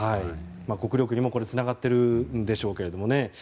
国力にもつながっているんでしょうけれどもね。